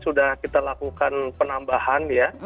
sudah kita lakukan penambahan ya